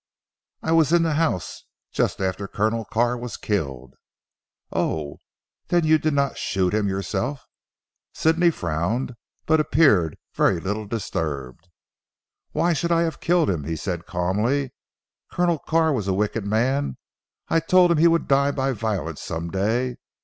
"I was in the house just after Colonel Carr was killed." "Oh! Then you did not shoot him yourself?" Sidney frowned, but appeared very little disturbed. "Why should I have killed him?" he said calmly. "Colonel Carr was a wicked man. I told him he would die by violence some day.